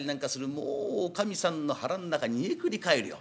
もうおかみさんの腹ん中煮えくり返るよう。